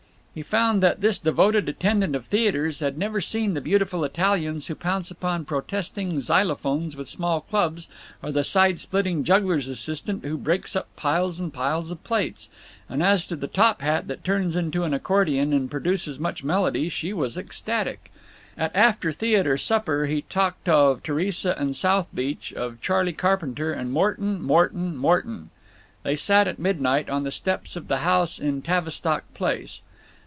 He found that this devoted attendant of theaters had never seen the beautiful Italians who pounce upon protesting zylophones with small clubs, or the side splitting juggler's assistant who breaks up piles and piles of plates. And as to the top hat that turns into an accordion and produces much melody, she was ecstatic. At after theater supper he talked of Theresa and South Beach, of Charley Carpenter and Morton—Morton—Morton. They sat, at midnight, on the steps of the house in Tavistock Place.